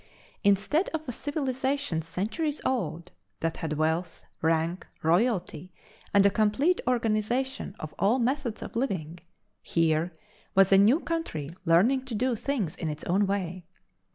Instead of a civilization centuries old that had wealth, rank, royalty, and a complete organization of all methods of living, here was a new country learning to do things in its own way.